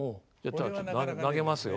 投げますよ。